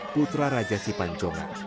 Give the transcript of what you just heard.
putra raja sipanjonga